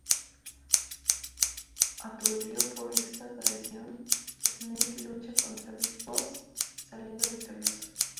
Aturdido por esta traición, Snake lucha contra Big Boss, saliendo victorioso.